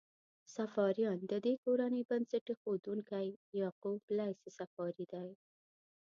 صفاریان: د دې کورنۍ بنسټ ایښودونکی یعقوب لیث صفاري دی.